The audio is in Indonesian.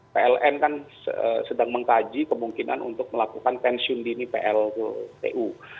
pln kan sedang mengkaji kemungkinan untuk melakukan pensiun dini pltu